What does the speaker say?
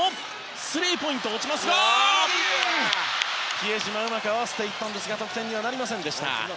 比江島、うまく合わせましたが得点にはなりませんでした。